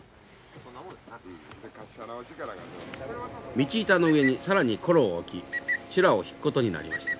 道板の上に更に転木を置き修羅を引くことになりました。